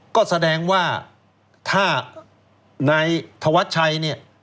ก็แสดงว่าถ้านายธวัชชัยเนี่ย